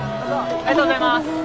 ありがとうございます。